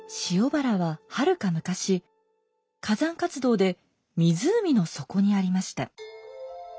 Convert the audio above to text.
塩原ははるか昔火山活動で湖の底にありました。